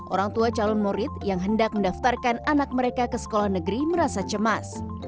orang tua calon murid yang hendak mendaftarkan anak mereka ke sekolah negeri merasa cemas